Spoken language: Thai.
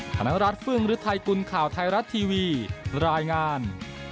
ธนรัฐฟึ่งฤทัยกุลข่าวไทยรัฐทีวีรายงาน